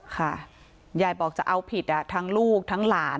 ค่ะยายบอกจะเอาผิดทั้งลูกทั้งหลาน